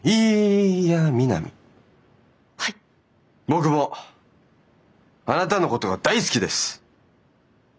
僕もあなたのことが大好きです！